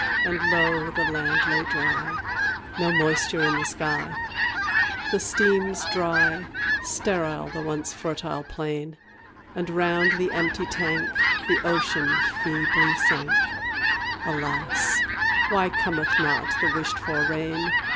And lo! the land lay dry No moisture in the sky; The streams dry sterile the once fertile plain; And round the empty tank The ocean feebly sank Alas, why cometh not the wished for rain!